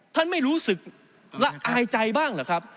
ไม่รู้สึกละอายใจบ้างเหรอครับ